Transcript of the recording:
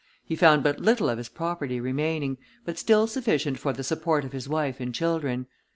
He found but little of his property remaining, but still sufficient for the support of his wife and children.